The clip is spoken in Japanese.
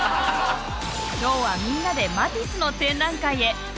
今日はみんなでマティスの展覧会へ！